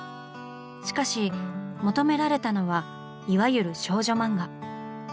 しかし求められたのはいわゆる「少女漫画」。